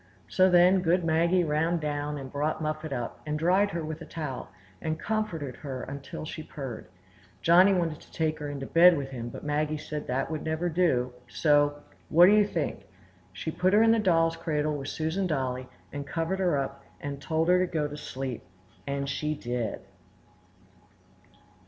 So then good Maggie ran down and brought Muffet up, and dried her with a towel, and comforted her till she purred. Johnny wanted to take her into bed with him, but Maggie said that never would do; so,—what do you think? She put her in the doll's cradle with Susan Dolly, and covered her up, and told her to go to sleep, and she did!